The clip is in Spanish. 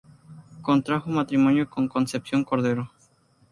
Contrajo matrimonio con Concepción Cordero.